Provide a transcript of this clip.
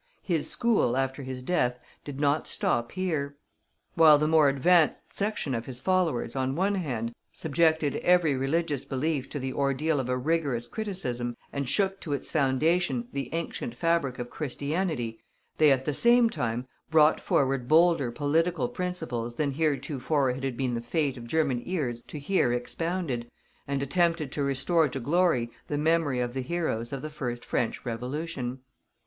His school, after his death, did not stop here. While the more advanced section of his followers, on one hand, subjected every religious belief to the ordeal of a rigorous criticism, and shook to its foundation the ancient fabric of Christianity, they at the same time brought forward bolder political principles than hitherto it had been the fate of German ears to hear expounded, and attempted to restore to glory the memory of the heroes of the first French Revolution.